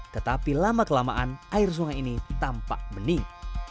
tetapi lama kelamaan air sungai ini tampak bening